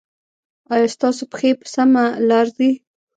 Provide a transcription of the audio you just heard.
ایا ستاسو پښې په سمه لار ځي؟